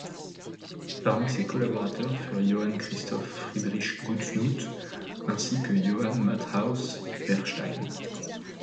Parmi ses collaborateurs furent Johann Christoph Friedrich GutsMuths ainsi que Johann Matthäus Bechstein.